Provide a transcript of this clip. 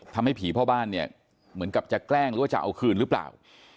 ทำให้ผีพ่อบ้านเนี่ยเหมือนกับจะแกล้งหรือว่าจะเอาคืนหรือเปล่า